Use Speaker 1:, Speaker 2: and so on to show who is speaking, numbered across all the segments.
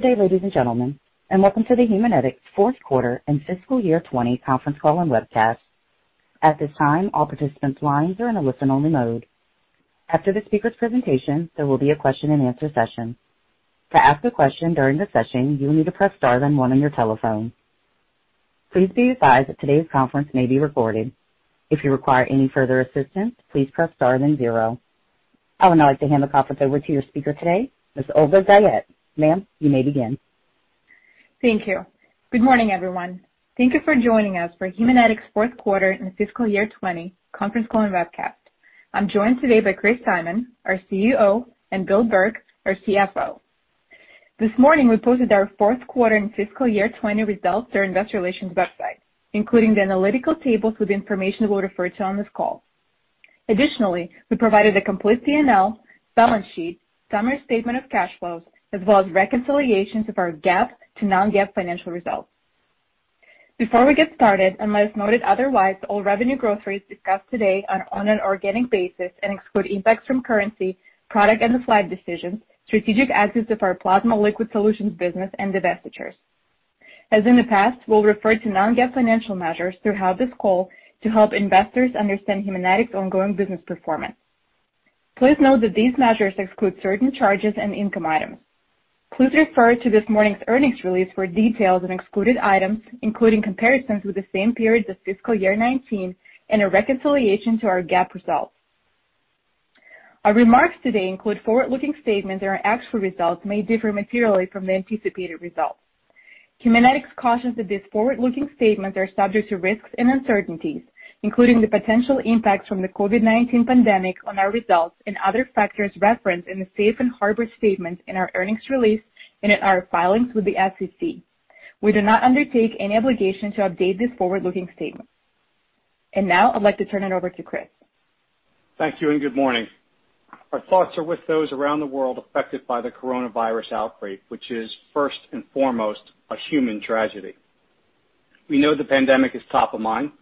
Speaker 1: Good day, ladies and gentlemen, and welcome to the Haemonetics fourth quarter and fiscal year 2020 conference call and webcast. At this time, all participants' lines are in a listen-only mode. After the speaker's presentation, there will be a question and answer session. To ask a question during the session, you will need to press star then one on your telephone. Please be advised that today's conference may be recorded. If you require any further assistance, please press star then zero. I would now like to hand the conference over to your speaker today, Ms. Olga Guyette. Ma'am, you may begin.
Speaker 2: Thank you. Good morning, everyone. Thank you for joining us for Haemonetics' fourth quarter and fiscal year 2020 conference call and webcast. I'm joined today by Chris Simon, our CEO, and Bill Burke, our CFO. This morning, we posted our fourth quarter and fiscal year 2020 results to our Investor Relations website, including the analytical tables with the information we'll refer to on this call. Additionally, we provided a complete P&L, balance sheet, summary statement of cash flows, as well as reconciliations of our GAAP to non-GAAP financial results. Before we get started, unless noted otherwise, all revenue growth rates discussed today are on an organic basis and exclude impacts from currency, product and plant decisions, strategic exits of our plasma liquid solutions business, and divestitures. As in the past, we'll refer to non-GAAP financial measures throughout this call to help investors understand Haemonetics' ongoing business performance. Please note that these measures exclude certain charges and income items. Please refer to this morning's earnings release for details on excluded items, including comparisons with the same period as fiscal year 2019 and a reconciliation to our GAAP results. Our remarks today include forward-looking statements that our actual results may differ materially from the anticipated results. Haemonetics cautions that these forward-looking statements are subject to risks and uncertainties, including the potential impacts from the COVID-19 pandemic on our results and other factors referenced in the Safe Harbor statements in our earnings release and in our filings with the SEC. We do not undertake any obligation to update these forward-looking statements. Now I'd like to turn it over to Chris.
Speaker 3: Thank you and good morning. Our thoughts are with those around the world affected by the coronavirus outbreak, which is first and foremost a human tragedy. We know the pandemic is top of mind.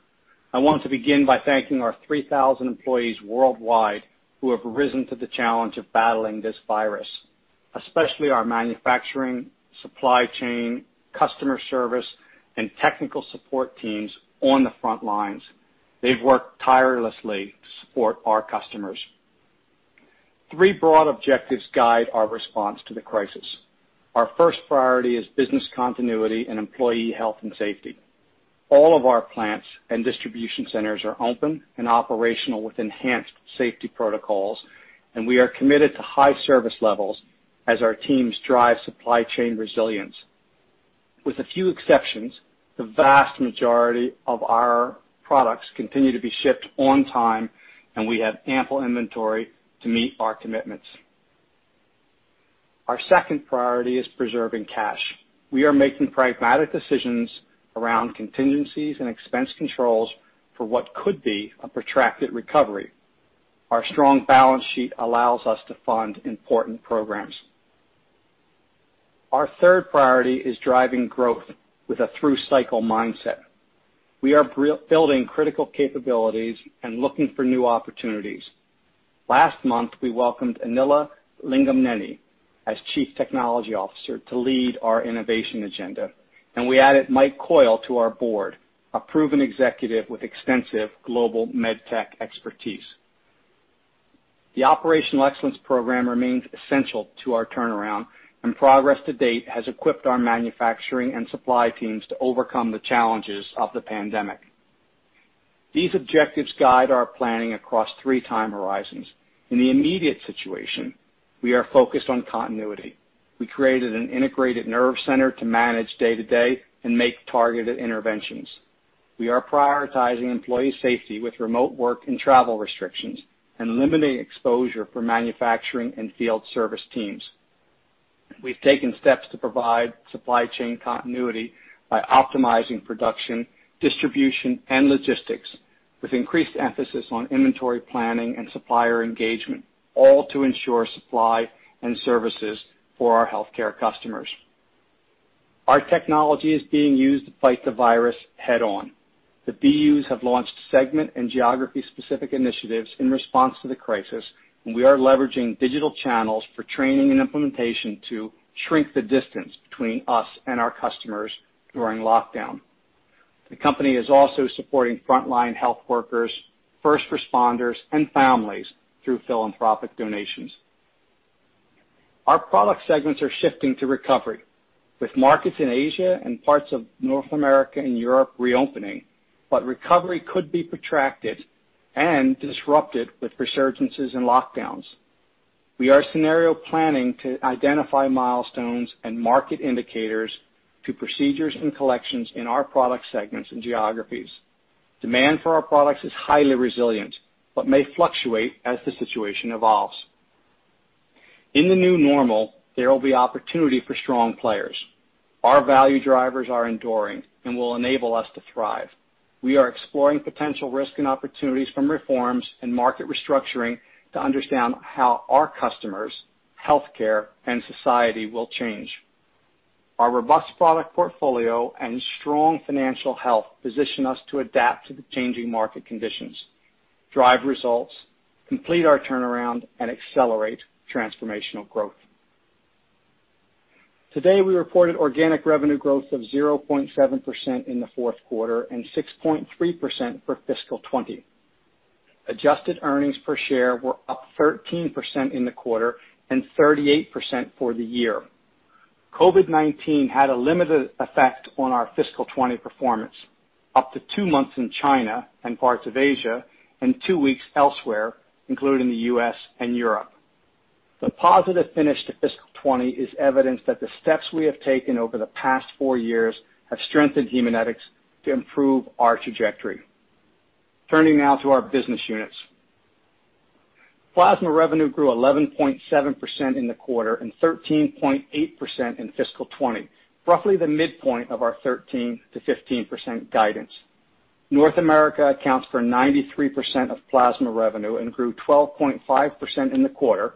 Speaker 3: I want to begin by thanking our 3,000 employees worldwide who have risen to the challenge of battling this virus, especially our manufacturing, supply chain, customer service, and technical support teams on the front lines. They've worked tirelessly to support our customers. Three broad objectives guide our response to the crisis. Our first priority is business continuity and employee health and safety. All of our plants and distribution centers are open and operational with enhanced safety protocols, and we are committed to high service levels as our teams drive supply chain resilience. With a few exceptions, the vast majority of our products continue to be shipped on time, and we have ample inventory to meet our commitments. Our second priority is preserving cash. We are making pragmatic decisions around contingencies and expense controls for what could be a protracted recovery. Our strong balance sheet allows us to fund important programs. Our third priority is driving growth with a through-cycle mindset. We are building critical capabilities and looking for new opportunities. Last month, we welcomed Anila Lingamneni as Chief Technology Officer to lead our innovation agenda, and we added Mike Coyle to our Board, a proven executive with extensive global med tech expertise. The Operational Excellence Program remains essential to our turnaround, and progress to date has equipped our manufacturing and supply teams to overcome the challenges of the pandemic. These objectives guide our planning across three time horizons. In the immediate situation, we are focused on continuity. We created an integrated nerve center to manage day-to-day and make targeted interventions. We are prioritizing employee safety with remote work and travel restrictions and limiting exposure for manufacturing and field service teams. We've taken steps to provide supply chain continuity by optimizing production, distribution, and logistics, with increased emphasis on inventory planning and supplier engagement, all to ensure supply and services for our healthcare customers. Our technology is being used to fight the virus head-on. The BUs have launched segment and geography-specific initiatives in response to the crisis, and we are leveraging digital channels for training and implementation to shrink the distance between us and our customers during lockdown. The company is also supporting frontline health workers, first responders, and families through philanthropic donations. Our product segments are shifting to recovery, with markets in Asia and parts of North America and Europe reopening, but recovery could be protracted and disrupted with resurgences and lockdowns. We are scenario planning to identify milestones and market indicators to procedures and collections in our product segments and geographies. Demand for our products is highly resilient but may fluctuate as the situation evolves. In the new normal, there will be opportunity for strong players. Our value drivers are enduring and will enable us to thrive. We are exploring potential risk and opportunities from reforms and market restructuring to understand how our customers, healthcare, and society will change. Our robust product portfolio and strong financial health position us to adapt to the changing market conditions. Drive results, complete our turnaround, and accelerate transformational growth. Today, we reported organic revenue growth of 0.7% in the fourth quarter and 6.3% for fiscal 2020. Adjusted earnings per share were up 13% in the quarter and 38% for the year. COVID-19 had a limited effect on our fiscal 2020 performance, up to two months in China and parts of Asia, and two weeks elsewhere, including the U.S. and Europe. The positive finish to fiscal 2020 is evidence that the steps we have taken over the past four years have strengthened Haemonetics to improve our trajectory. Turning now to our business units. Plasma revenue grew 11.7% in the quarter and 13.8% in fiscal 2020, roughly the midpoint of our 13%-15% guidance. North America accounts for 93% of plasma revenue and grew 12.5% in the quarter and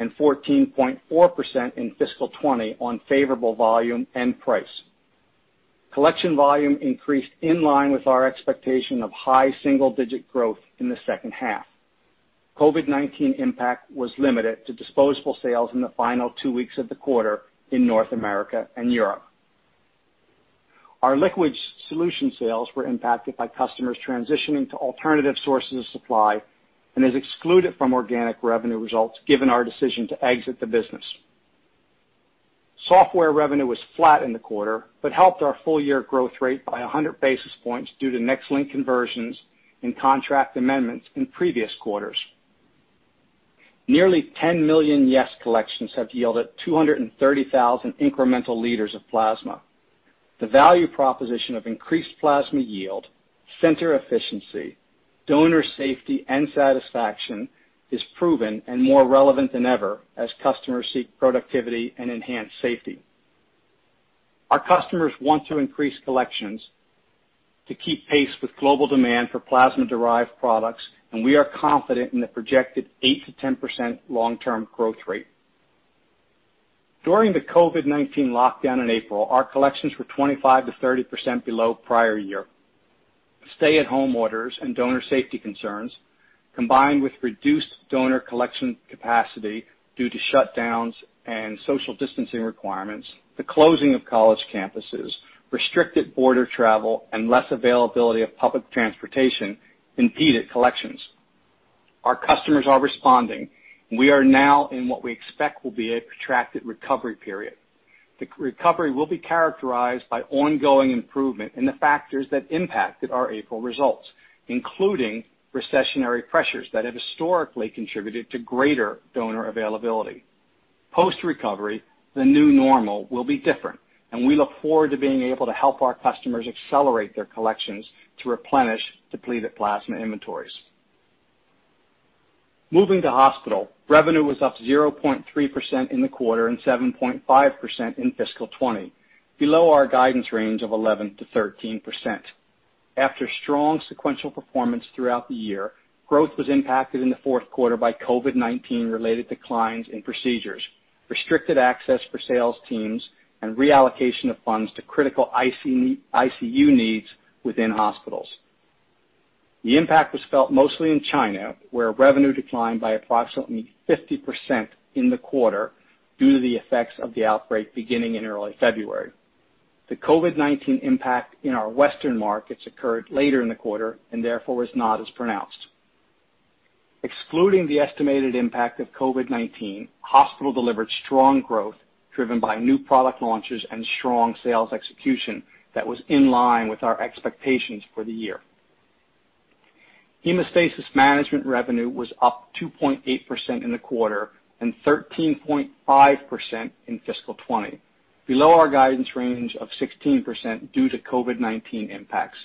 Speaker 3: 14.4% in fiscal 2020 on favorable volume and price. Collection volume increased in line with our expectation of high single-digit growth in the second half. COVID-19 impact was limited to disposable sales in the final two weeks of the quarter in North America and Europe. Our liquid solution sales were impacted by customers transitioning to alternative sources of supply and is excluded from organic revenue results given our decision to exit the business. Software revenue was flat in the quarter, but helped our full-year growth rate by 100 basis points due to NexLynk conversions and contract amendments in previous quarters. Nearly 10 million NexSys collections have yielded 230,000 incremental liters of plasma. The value proposition of increased plasma yield, center efficiency, donor safety, and satisfaction is proven and more relevant than ever as customers seek productivity and enhanced safety. Our customers want to increase collections to keep pace with global demand for plasma-derived products, and we are confident in the projected 8%-10% long-term growth rate. During the COVID-19 lockdown in April, our collections were 25%-30% below prior year. Stay-at-home orders and donor safety concerns, combined with reduced donor collection capacity due to shutdowns and social distancing requirements, the closing of college campuses, restricted border travel, and less availability of public transportation impeded collections. Our customers are responding. We are now in what we expect will be a protracted recovery period. The recovery will be characterized by ongoing improvement in the factors that impacted our April results, including recessionary pressures that have historically contributed to greater donor availability. Post-recovery, the new normal will be different, and we look forward to being able to help our customers accelerate their collections to replenish depleted plasma inventories. Moving to hospital, revenue was up 0.3% in the quarter and 7.5% in fiscal 2020, below our guidance range of 11%-13%. After strong sequential performance throughout the year, growth was impacted in the fourth quarter by COVID-19 related declines in procedures, restricted access for sales teams, and reallocation of funds to critical ICU needs within hospitals. The impact was felt mostly in China, where revenue declined by approximately 50% in the quarter due to the effects of the outbreak beginning in early February. The COVID-19 impact in our Western markets occurred later in the quarter and therefore was not as pronounced. Excluding the estimated impact of COVID-19, hospital delivered strong growth driven by new product launches and strong sales execution that was in line with our expectations for the year. Hemostasis management revenue was up 2.8% in the quarter and 13.5% in fiscal 2020, below our guidance range of 16% due to COVID-19 impacts.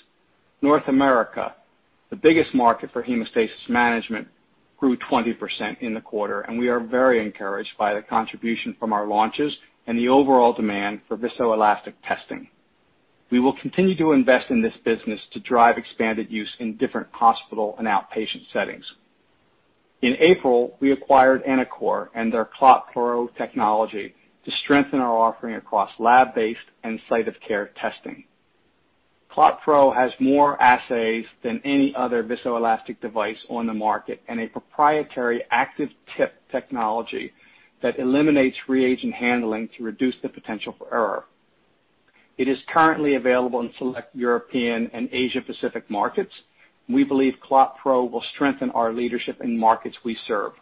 Speaker 3: North America, the biggest market for hemostasis management, grew 20% in the quarter. We are very encouraged by the contribution from our launches and the overall demand for viscoelastic testing. We will continue to invest in this business to drive expanded use in different hospital and outpatient settings. In April, we acquired enicor and their ClotPro technology to strengthen our offering across lab-based and site-of-care testing. ClotPro has more assays than any other viscoelastic device on the market and a proprietary active tip technology that eliminates reagent handling to reduce the potential for error. It is currently available in select European and Asia-Pacific markets. We believe ClotPro will strengthen our leadership in markets we serve.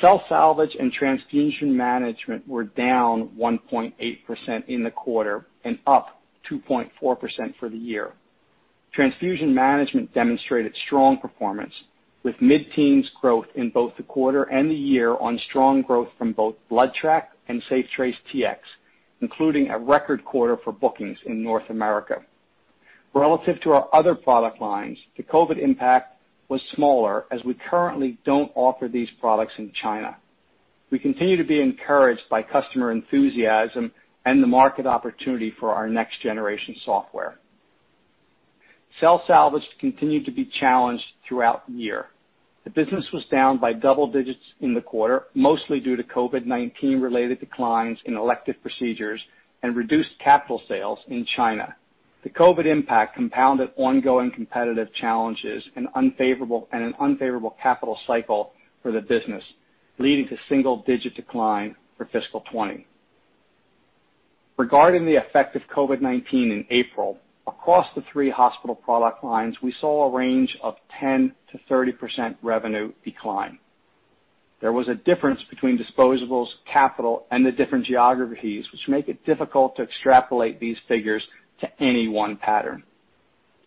Speaker 3: Cell Salvage and Transfusion Management were down 1.8% in the quarter and up 2.4% for the year. Transfusion Management demonstrated strong performance, with mid-teens growth in both the quarter and the year on strong growth from both BloodTrack and SafeTrace Tx, including a record quarter for bookings in North America. Relative to our other product lines, the COVID impact was smaller as we currently don't offer these products in China. We continue to be encouraged by customer enthusiasm and the market opportunity for our next-generation software. Cell Salvage continued to be challenged throughout the year. The business was down by double digits in the quarter, mostly due to COVID-19 related declines in elective procedures and reduced capital sales in China. The COVID impact compounded ongoing competitive challenges and an unfavorable capital cycle for the business, leading to single-digit decline for fiscal 2020. Regarding the effect of COVID-19 in April, across the three hospital product lines, we saw a range of 10%-30% revenue decline. There was a difference between disposables, capital, and the different geographies, which make it difficult to extrapolate these figures to any one pattern.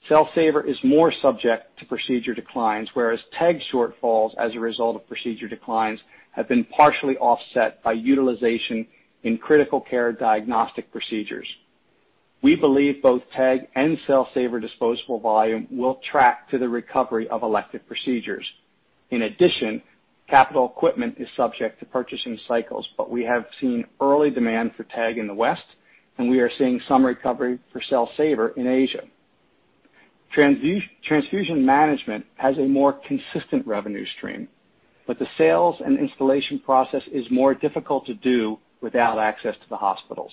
Speaker 3: Cell Salvage is more subject to procedure declines, whereas TEG shortfalls as a result of procedure declines have been partially offset by utilization in critical care diagnostic procedures. We believe both TEG and Cell Salvage disposable volume will track to the recovery of elective procedures. In addition, capital equipment is subject to purchasing cycles, but we have seen early demand for TEG in the West, and we are seeing some recovery for Cell Salvage in Asia. Transfusion Management has a more consistent revenue stream, but the sales and installation process is more difficult to do without access to the hospitals.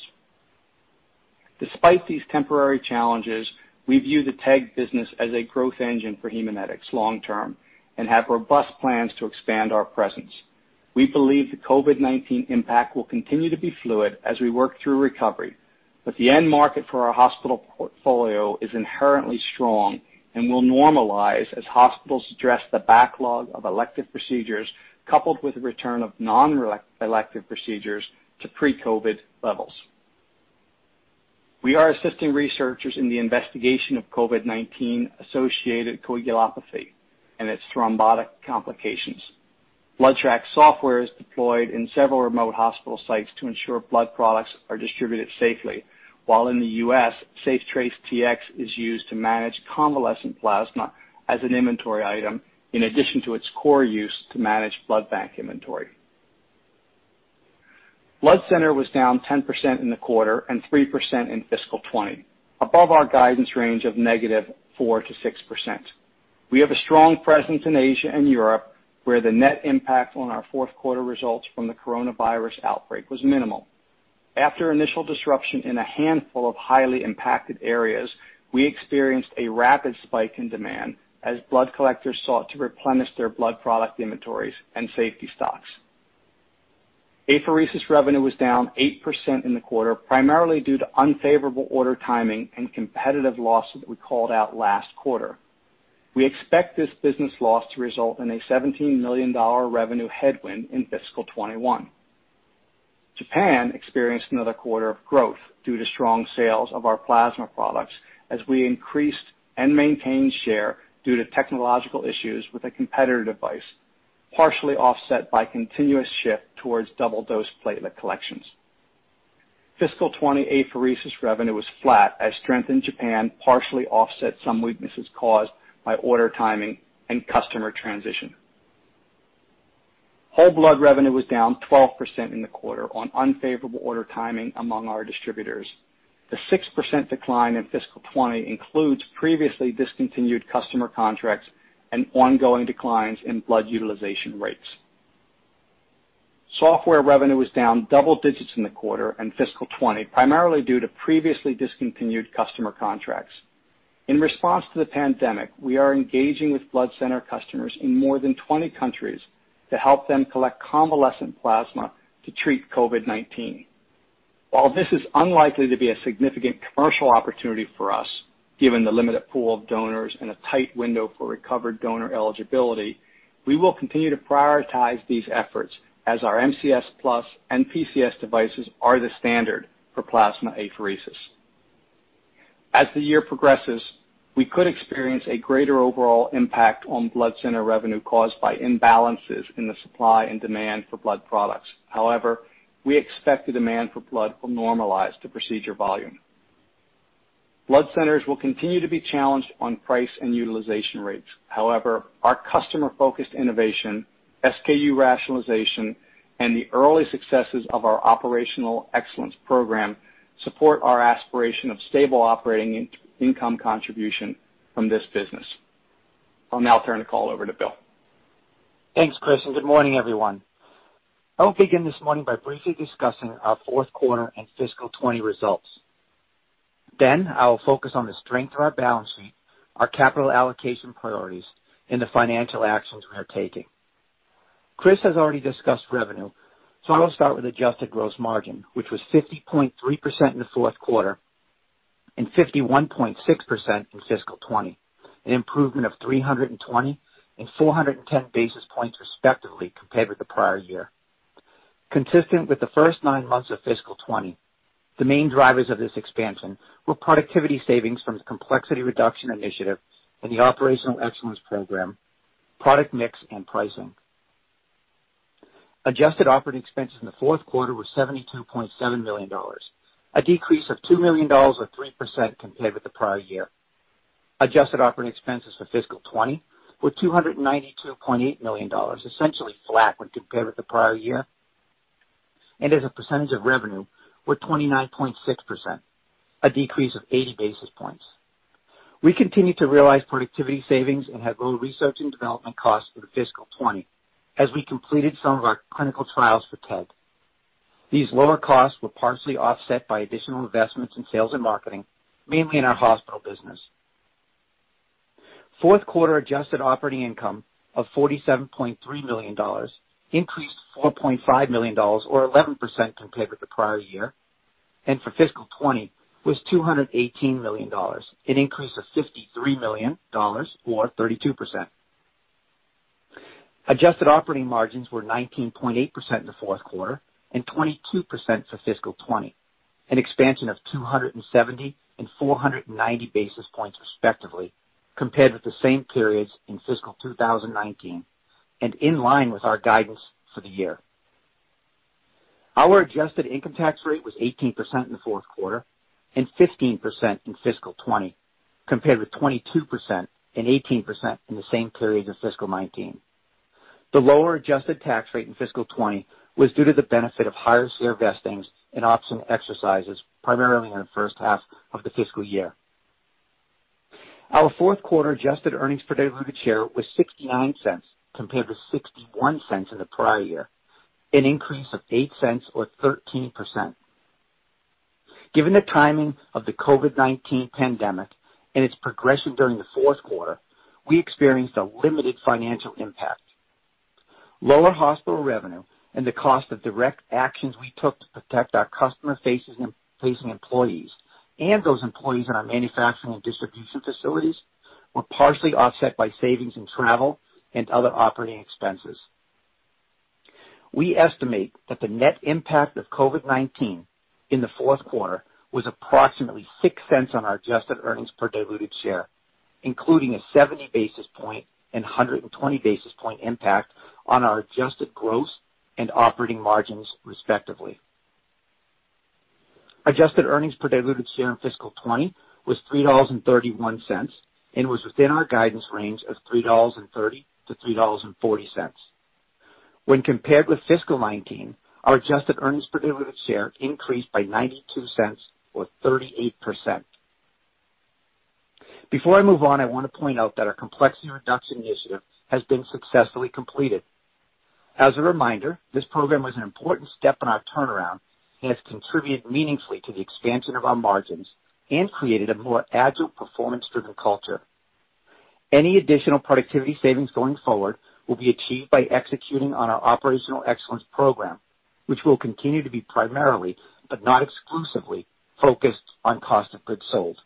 Speaker 3: Despite these temporary challenges, we view the TEG business as a growth engine for Haemonetics long term and have robust plans to expand our presence. We believe the COVID-19 impact will continue to be fluid as we work through recovery, but the end market for our hospital portfolio is inherently strong and will normalize as hospitals address the backlog of elective procedures, coupled with the return of non-elective procedures to pre-COVID levels. We are assisting researchers in the investigation of COVID-19-associated coagulopathy and its thrombotic complications. BloodTrack software is deployed in several remote hospital sites to ensure blood products are distributed safely, while in the U.S., SafeTrace Tx is used to manage convalescent plasma as an inventory item, in addition to its core use to manage blood bank inventory. Blood Center was down 10% in the quarter and 3% in fiscal 2020, above our guidance range of -4% to 6%. We have a strong presence in Asia and Europe, where the net impact on our fourth quarter results from the coronavirus outbreak was minimal. After initial disruption in a handful of highly impacted areas, we experienced a rapid spike in demand as blood collectors sought to replenish their blood product inventories and safety stocks. Apheresis revenue was down 8% in the quarter, primarily due to unfavorable order timing and competitive losses we called out last quarter. We expect this business loss to result in a $17 million revenue headwind in FY 2021. Japan experienced another quarter of growth due to strong sales of our plasma products as we increased and maintained share due to technological issues with a competitor device, partially offset by continuous shift towards double-dose platelet collections. FY 2020 apheresis revenue was flat as strength in Japan partially offset some weaknesses caused by order timing and customer transition. Whole blood revenue was down 12% in the quarter on unfavorable order timing among our distributors. The 6% decline in fiscal 2020 includes previously discontinued customer contracts and ongoing declines in blood utilization rates. Software revenue was down double digits in the quarter and fiscal 2020, primarily due to previously discontinued customer contracts. In response to the pandemic, we are engaging with Blood Center customers in more than 20 countries to help them collect convalescent plasma to treat COVID-19. While this is unlikely to be a significant commercial opportunity for us, given the limited pool of donors and a tight window for recovered donor eligibility, we will continue to prioritize these efforts as our MCS+ and PCS devices are the standard for plasma apheresis. As the year progresses, we could experience a greater overall impact on Blood Center revenue caused by imbalances in the supply and demand for blood products. We expect the demand for blood will normalize to procedure volume. Blood Centers will continue to be challenged on price and utilization rates. However, our customer-focused innovation, SKU rationalization, and the early successes of our Operational Excellence Program support our aspiration of stable operating income contribution from this business. I'll now turn the call over to Bill.
Speaker 4: Thanks, Chris. Good morning, everyone. I will begin this morning by briefly discussing our fourth quarter and fiscal 2020 results. I will focus on the strength of our balance sheet, our capital allocation priorities, and the financial actions we are taking. Chris has already discussed revenue. I will start with adjusted gross margin, which was 50.3% in the fourth quarter and 51.6% in fiscal 2020, an improvement of 320 basis points and 410 basis points respectively compared with the prior year. Consistent with the first nine months of fiscal 2020, the main drivers of this expansion were productivity savings from the complexity reduction initiative and the Operational Excellence Program, product mix, and pricing. Adjusted operating expenses in the fourth quarter were $72.7 million, a decrease of $2 million or 3% compared with the prior year. Adjusted operating expenses for fiscal 2020 were $292.8 million, essentially flat when compared with the prior year. As a percentage of revenue were 29.6%, a decrease of 80 basis points. We continue to realize productivity savings and have low research and development costs for fiscal 2020 as we completed some of our clinical trials for TEG. These lower costs were partially offset by additional investments in sales and marketing, mainly in our hospital business. Fourth quarter adjusted operating income of $47.3 million, increased $4.5 million, or 11%, compared with the prior year, and for fiscal 2020 was $218 million, an increase of $53 million or 32%. Adjusted operating margins were 19.8% in the fourth quarter and 22% for fiscal 2020, an expansion of 270 basis points and 490 basis points, respectively, compared with the same periods in fiscal 2019 and in line with our guidance for the year. Our adjusted income tax rate was 18% in the fourth quarter and 15% in fiscal 2020, compared with 22% and 18% in the same period in fiscal 2019. The lower adjusted tax rate in fiscal 2020 was due to the benefit of higher share vestings and option exercises primarily in the first half of the fiscal year. Our fourth quarter adjusted earnings per diluted share was $0.69 compared with $0.61 in the prior year, an increase of $0.08 or 13%. Given the timing of the COVID-19 pandemic and its progression during the fourth quarter, we experienced a limited financial impact. Lower hospital revenue and the cost of direct actions we took to protect our customer-facing employees and those employees in our manufacturing and distribution facilities were partially offset by savings in travel and other operating expenses. We estimate that the net impact of COVID-19 in the fourth quarter was approximately $0.06 on our adjusted earnings per diluted share, including a 70 basis point and 120 basis point impact on our adjusted gross and operating margins, respectively. Adjusted earnings per diluted share in fiscal 2020 was $3.31 and was within our guidance range of $3.30-$3.40. When compared with fiscal 2019, our adjusted earnings per diluted share increased by $0.92 or 38%. Before I move on, I want to point out that our complexity reduction initiative has been successfully completed. As a reminder, this program was an important step in our turnaround and has contributed meaningfully to the expansion of our margins and created a more agile performance-driven culture. Any additional productivity savings going forward will be achieved by executing on our Operational Excellence Program, which will continue to be primarily, but not exclusively focused on cost of goods sold.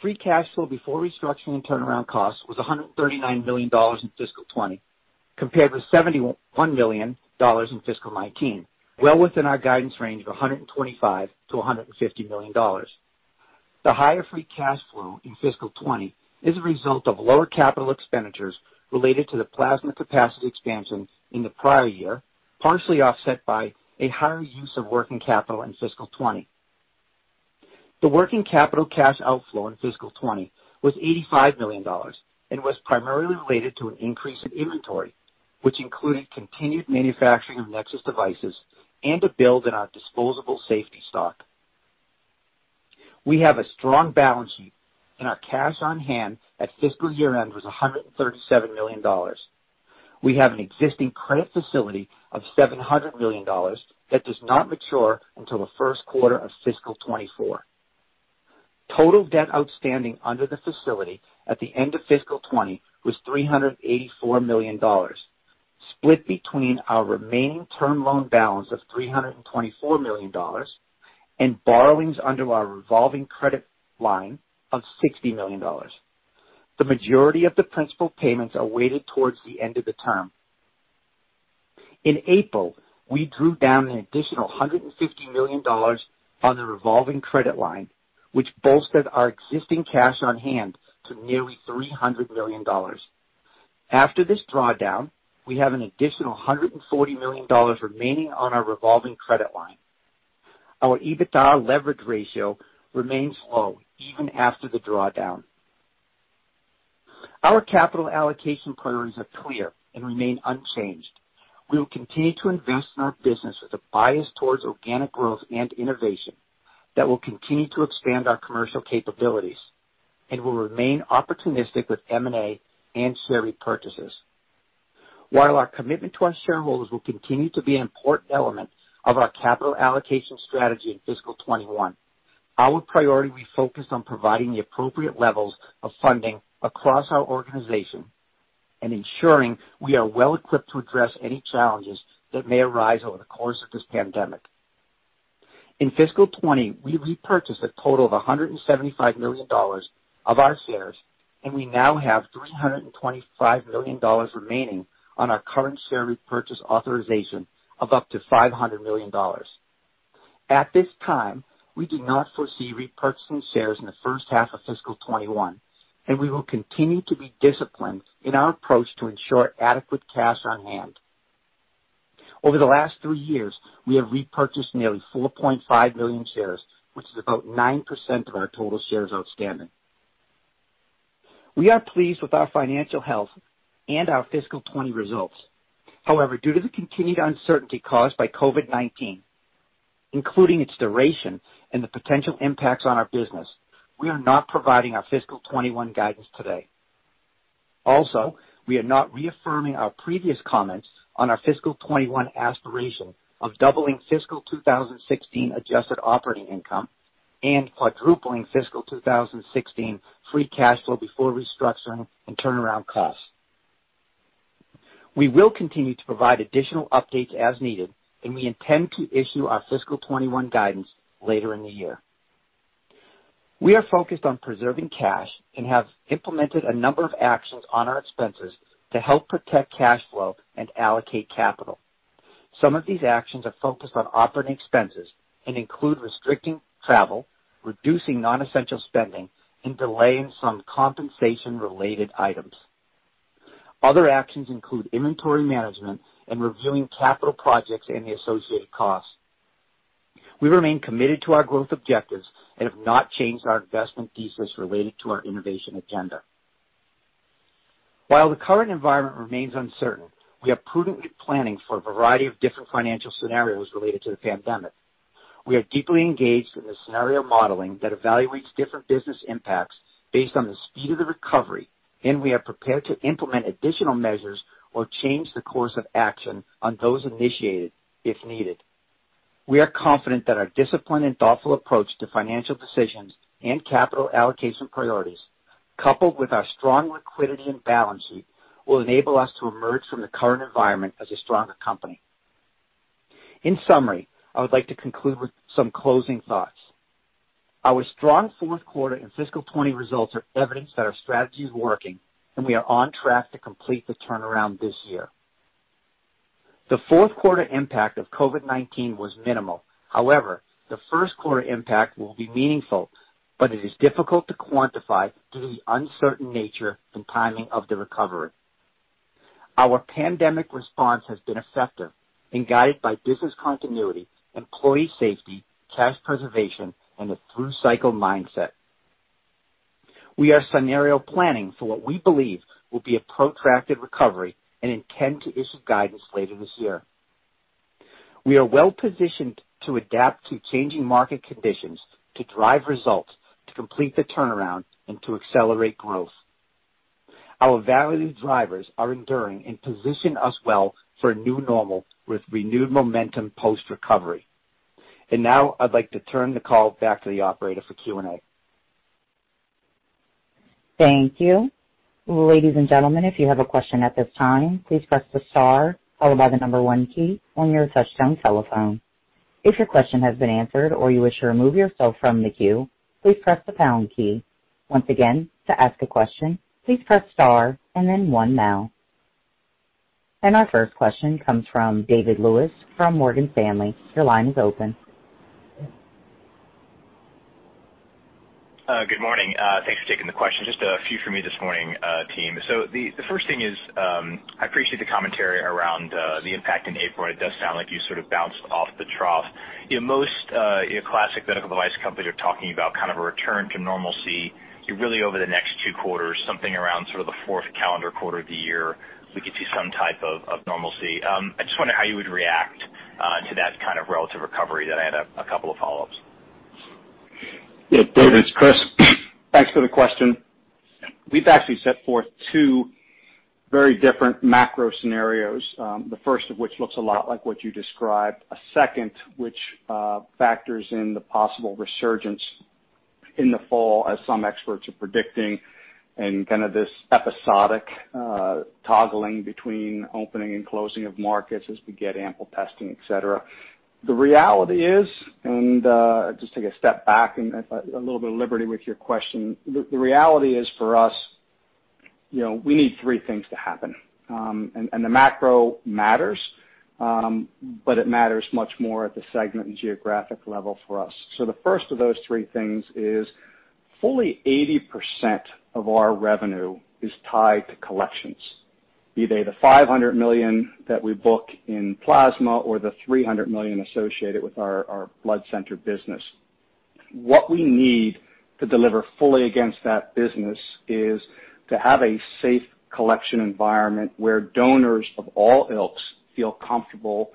Speaker 4: Free cash flow before restructuring and turnaround costs was $139 million in fiscal 2020, compared with $71 million in fiscal 2019, well within our guidance range of $125 million-$150 million. The higher free cash flow in fiscal 2020 is a result of lower capital expenditures related to the plasma capacity expansion in the prior year, partially offset by a higher use of working capital in fiscal 2020. The working capital cash outflow in fiscal 2020 was $85 million and was primarily related to an increase in inventory, which included continued manufacturing of NexSys devices and a build in our disposable safety stock. We have a strong balance sheet and our cash on hand at fiscal year-end was $137 million. We have an existing credit facility of $700 million that does not mature until the first quarter of fiscal 2024. Total debt outstanding under the facility at the end of fiscal 2020 was $384 million, split between our remaining term loan balance of $324 million and borrowings under our revolving credit line of $60 million. The majority of the principal payments are weighted towards the end of the term. In April, we drew down an additional $150 million on the revolving credit line, which bolstered our existing cash on hand to nearly $300 million. After this drawdown, we have an additional $140 million remaining on our revolving credit line. Our EBITDA leverage ratio remains low even after the drawdown. Our capital allocation priorities are clear and remain unchanged. We will continue to invest in our business with a bias towards organic growth and innovation that will continue to expand our commercial capabilities and will remain opportunistic with M&A and share repurchases. While our commitment to our shareholders will continue to be an important element of our capital allocation strategy in fiscal 2021, our priority will be focused on providing the appropriate levels of funding across our organization and ensuring we are well-equipped to address any challenges that may arise over the course of this pandemic. In fiscal 2020, we repurchased a total of $175 million of our shares, and we now have $325 million remaining on our current share repurchase authorization of up to $500 million. At this time, we do not foresee repurchasing shares in the first half of fiscal 2021, and we will continue to be disciplined in our approach to ensure adequate cash on hand. Over the last three years, we have repurchased nearly 4.5 million shares, which is about 9% of our total shares outstanding. We are pleased with our financial health and our fiscal 2020 results. However, due to the continued uncertainty caused by COVID-19, including its duration and the potential impacts on our business, we are not providing our fiscal 2021 guidance today. Also, we are not reaffirming our previous comments on our fiscal 2021 aspiration of doubling fiscal 2016 adjusted operating income and quadrupling fiscal 2016 free cash flow before restructuring and turnaround costs. We will continue to provide additional updates as needed, and we intend to issue our fiscal 2021 guidance later in the year. We are focused on preserving cash and have implemented a number of actions on our expenses to help protect cash flow and allocate capital. Some of these actions are focused on operating expenses and include restricting travel, reducing non-essential spending, and delaying some compensation-related items. Other actions include inventory management and reviewing capital projects and the associated costs. We remain committed to our growth objectives and have not changed our investment thesis related to our innovation agenda. While the current environment remains uncertain, we are prudently planning for a variety of different financial scenarios related to the pandemic. We are deeply engaged in the scenario modeling that evaluates different business impacts based on the speed of the recovery, and we are prepared to implement additional measures or change the course of action on those initiated if needed. We are confident that our disciplined and thoughtful approach to financial decisions and capital allocation priorities, coupled with our strong liquidity and balance sheet, will enable us to emerge from the current environment as a stronger company. In summary, I would like to conclude with some closing thoughts. Our strong fourth quarter and fiscal 2020 results are evidence that our strategy is working, and we are on track to complete the turnaround this year. The fourth quarter impact of COVID-19 was minimal. However, the first quarter impact will be meaningful, but it is difficult to quantify due to the uncertain nature and timing of the recovery. Our pandemic response has been effective and guided by business continuity, employee safety, cash preservation, and a through-cycle mindset. We are scenario planning for what we believe will be a protracted recovery and intend to issue guidance later this year. We are well-positioned to adapt to changing market conditions, to drive results, to complete the turnaround, and to accelerate growth. Our value drivers are enduring and position us well for a new normal with renewed momentum post-recovery. Now I'd like to turn the call back to the operator for Q&A.
Speaker 1: Thank you. Ladies and gentlemen, if you have a question at this time, please press the star followed by the number one key on your touch-tone telephone. If your question has been answered or you wish to remove yourself from the queue, please press the pound key. Once again, to ask a question, please press star and then one now. Our first question comes from David Lewis from Morgan Stanley. Your line is open.
Speaker 5: Good morning. Thanks for taking the question. Just a few for me this morning, team. The first thing is, I appreciate the commentary around the impact in April, and it does sound like you sort of bounced off the trough. Most classic medical device companies are talking about kind of a return to normalcy, really over the next two quarters, something around sort of the fourth calendar quarter of the year, we could see some type of normalcy. I just wonder how you would react to that kind of relative recovery. I had a couple of follow-ups.
Speaker 3: Yeah. David, it's Chris. Thanks for the question. We've actually set forth two very different macro scenarios. The first of which looks a lot like what you described. A second, which factors in the possible resurgence in the fall as some experts are predicting and kind of this episodic toggling between opening and closing of markets as we get ample testing, et cetera. The reality is, just take a step back and a little bit of liberty with your question. The reality is for us, we need three things to happen. The macro matters, but it matters much more at the segment and geographic level for us. The first of those three things is fully 80% of our revenue is tied to collections, be they the $500 million that we book in plasma or the $300 million associated with our blood center business. What we need to deliver fully against that business is to have a safe collection environment where donors of all ilks feel comfortable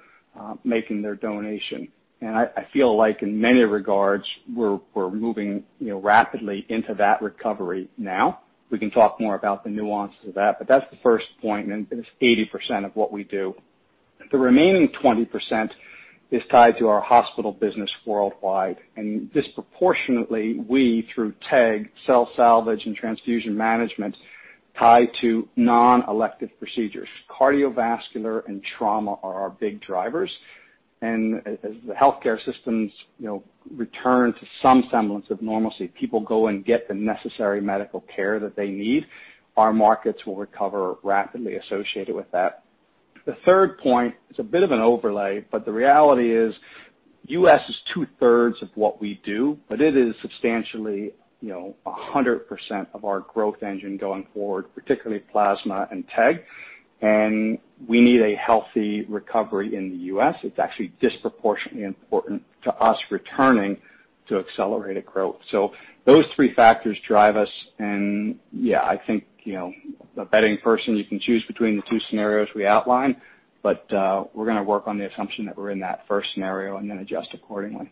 Speaker 3: making their donation. I feel like in many regards, we're moving rapidly into that recovery now. We can talk more about the nuances of that, but that's the first point, and it's 80% of what we do. The remaining 20% is tied to our hospital business worldwide. Disproportionately, we, through TEG, cell salvage, and Transfusion Management, tie to non-elective procedures. Cardiovascular and trauma are our big drivers. As the healthcare systems return to some semblance of normalcy, people go and get the necessary medical care that they need, our markets will recover rapidly associated with that. The third point is a bit of an overlay, but the reality is U.S. is 2/3 of what we do, but it is substantially 100% of our growth engine going forward, particularly plasma and TEG. We need a healthy recovery in the U.S. It's actually disproportionately important to us returning to accelerated growth. Those three factors drive us and yeah, I think, the betting person, you can choose between the two scenarios we outlined, but we're going to work on the assumption that we're in that first scenario and then adjust accordingly.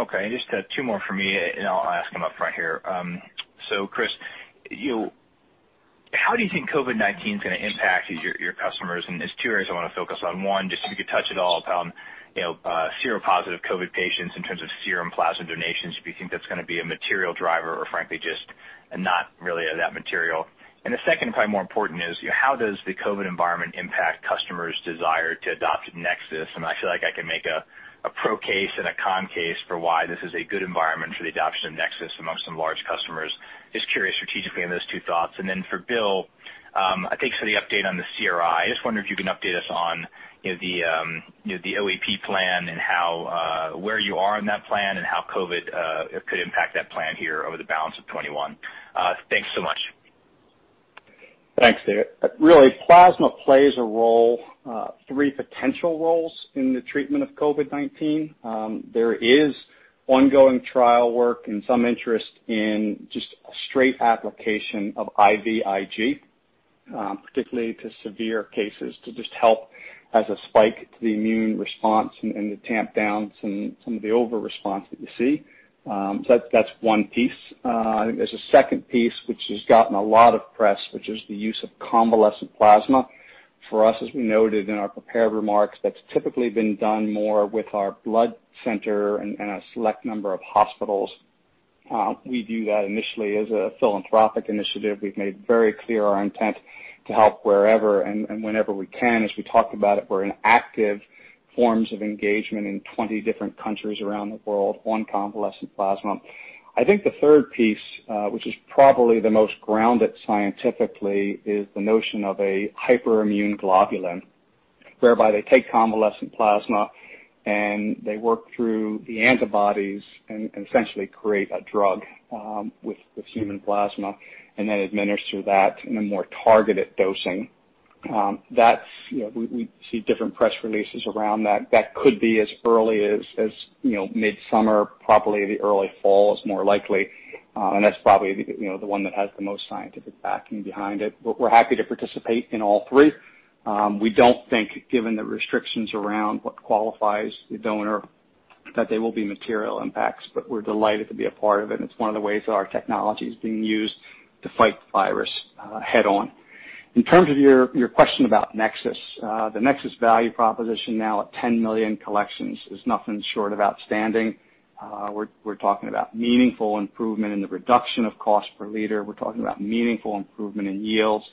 Speaker 5: Okay. Just two more from me, and then I'll ask them up front here. Chris, how do you think COVID-19 is going to impact your customers? There's two areas I want to focus on. One, just if you could touch at all upon serum positive COVID patients in terms of serum plasma donations. Do you think that's going to be a material driver or frankly, just not really that material? The second, probably more important, is how does the COVID environment impact customers' desire to adopt NexSys? I feel like I can make a pro case and a con case for why this is a good environment for the adoption of NexSys amongst some large customers. Just curious strategically on those two thoughts. Then for Bill, thanks for the update on the CRI. I just wonder if you can update us on the OEP plan and where you are on that plan and how COVID could impact that plan here over the balance of 2021. Thanks so much.
Speaker 3: Thanks, David. Plasma plays a role, three potential roles in the treatment of COVID-19. There is ongoing trial work and some interest in just a straight application of IVIG, particularly to severe cases, to just help as a spike to the immune response and to tamp down some of the overresponse that you see. That's one piece. I think there's a second piece, which has gotten a lot of press, which is the use of convalescent plasma. For us, as we noted in our prepared remarks, that's typically been done more with our blood center and a select number of hospitals. We view that initially as a philanthropic initiative. We've made very clear our intent to help wherever and whenever we can. As we talked about it, we're in active forms of engagement in 20 different countries around the world on convalescent plasma. I think the third piece, which is probably the most grounded scientifically, is the notion of a hyperimmune globulin, whereby they take convalescent plasma and they work through the antibodies and essentially create a drug with human plasma and then administer that in a more targeted dosing. We see different press releases around that. That could be as early as midsummer, probably the early fall is more likely, and that's probably the one that has the most scientific backing behind it. We're happy to participate in all three. We don't think, given the restrictions around what qualifies the donor, that they will be material impacts, but we're delighted to be a part of it, and it's one of the ways that our technology is being used to fight the virus head-on. In terms of your question about NexSys, the NexSys value proposition now at 10 million collections is nothing short of outstanding. We're talking about meaningful improvement in the reduction of cost per liter. We're talking about meaningful improvement in yields,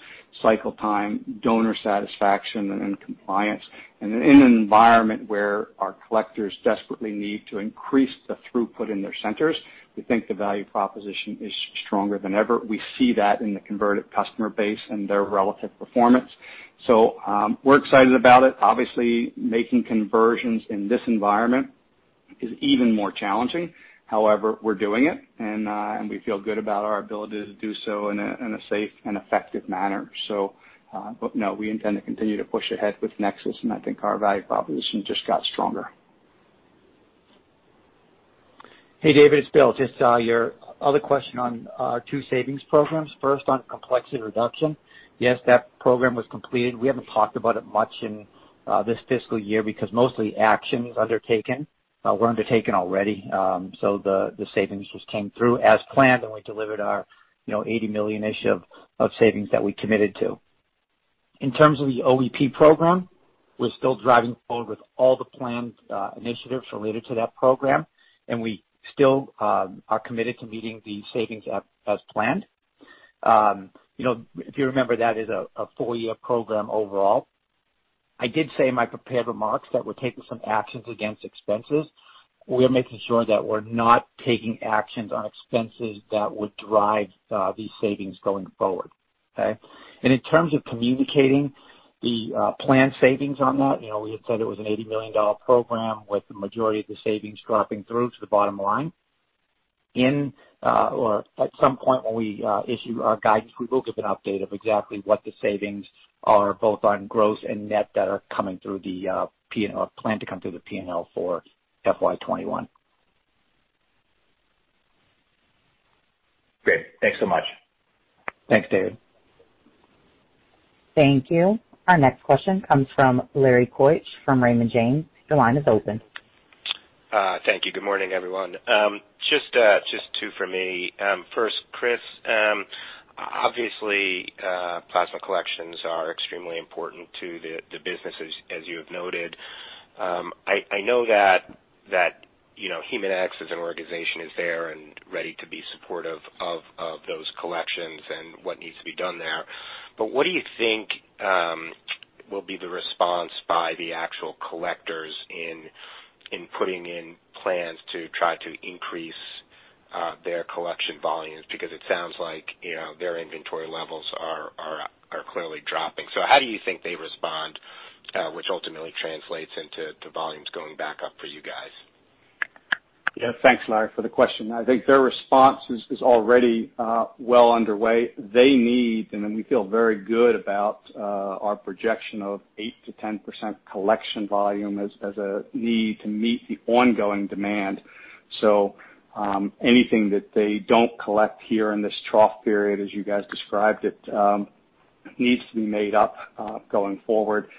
Speaker 3: cycle time, donor satisfaction, and compliance. In an environment where our collectors desperately need to increase the throughput in their centers, we think the value proposition is stronger than ever. We see that in the converted customer base and their relative performance. We're excited about it. Obviously, making conversions in this environment is even more challenging. However, we're doing it, and we feel good about our ability to do so in a safe and effective manner. No, we intend to continue to push ahead with NexSys, and I think our value proposition just got stronger.
Speaker 4: Hey, David, it's Bill. Your other question on our two savings programs. First, on complexity reduction, yes, that program was completed. We haven't talked about it much in this fiscal year because mostly actions undertaken were undertaken already. The savings just came through as planned, and we delivered our $80 million-ish of savings that we committed to. In terms of the OEP program, we're still driving forward with all the planned initiatives related to that program, and we still are committed to meeting the savings as planned. You remember, that is a full-year program overall. I did say in my prepared remarks that we're taking some actions against expenses. We are making sure that we're not taking actions on expenses that would drive these savings going forward. Okay? In terms of communicating the planned savings on that, we had said it was an $80 million program with the majority of the savings dropping through to the bottom line. At some point when we issue our guidance, we will give an update of exactly what the savings are, both on gross and net that are planned to come through the P&L for FY 2021.
Speaker 5: Great. Thanks so much.
Speaker 4: Thanks, David.
Speaker 1: Thank you. Our next question comes from Larry Keusch from Raymond James. Your line is open.
Speaker 6: Thank you. Good morning, everyone. Just two from me. First, Chris, obviously plasma collections are extremely important to the business, as you have noted. I know that Haemonetics as an organization is there and ready to be supportive of those collections and what needs to be done there. What do you think will be the response by the actual collectors in putting in plans to try to increase their collection volumes? Because it sounds like their inventory levels are clearly dropping. How do you think they respond, which ultimately translates into volumes going back up for you guys?
Speaker 3: Yeah. Thanks, Larry, for the question. I think their response is already well underway. They need, and we feel very good about our projection of 8% to 10% collection volume as a need to meet the ongoing demand. Anything that they don't collect here in this trough period, as you guys described it, needs to be made up going forward.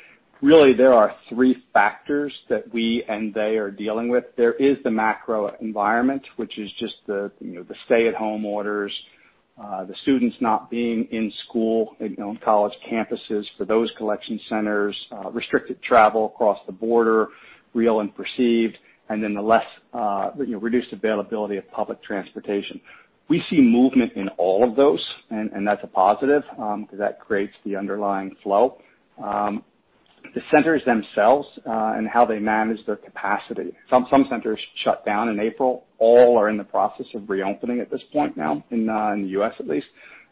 Speaker 3: Really, there are three factors that we and they are dealing with. There is the macro environment, which is just the stay-at-home orders, the students not being in school, on college campuses for those collection centers, restricted travel across the border, real and perceived, then the reduced availability of public transportation. We see movement in all of those, and that's a positive because that creates the underlying flow. The centers themselves and how they manage their capacity. Some centers shut down in April. All are in the process of reopening at this point now, in the U.S. at least.